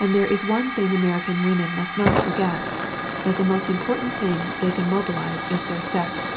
"And there is one thing American women must not forget that the most important thing they can mo bilize is their sex.